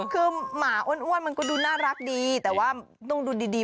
คือหมาอ้วนมันก็ดูน่ารักดีแต่ว่าต้องดูดี